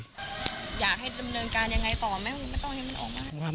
อยากให้ดำเนินการยังไงต่อไหมคุณไม่ต้องให้มันออกมา